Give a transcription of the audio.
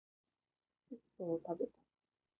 窒素をたべた